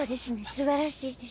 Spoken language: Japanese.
すばらしいです。